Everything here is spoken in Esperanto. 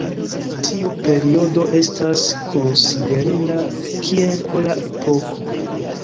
Tiu periodo estas konsiderinda kiel Ora epoko.